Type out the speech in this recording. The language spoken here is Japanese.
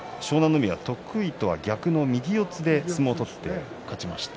海は得意とは逆の右四つで相撲を取って勝ちました。